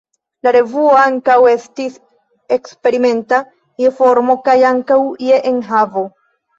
La revuo ankaŭ estis eksperimenta je formo kaj ankaŭ je enhavo.